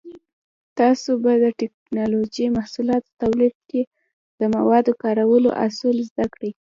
تاسو به د ټېکنالوجۍ محصولاتو تولید کې د موادو کارولو اصول زده کړئ.